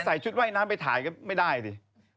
ชุดว่ายน้ำไปถ่ายก็ไม่ได้สิ